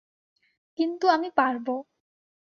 কিন্তু আমি পারব।